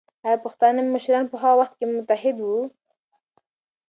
ایا پښتانه مشران په هغه وخت کې متحد وو؟